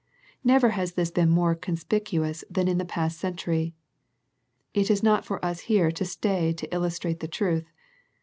Never has this been more conspicuous than in the past century. It is not for us here to stay to illustrate the truth.